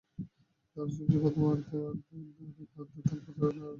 তাঁরা সবজি প্রথমে আড়তে আনেন, তারপর আড়তদারেরাই চাষির সবজি বিক্রি করে দেন।